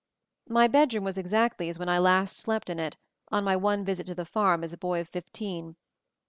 My bedroom was exactly as when I last slept in it, on my one visit to the farm as a boy of fifteen.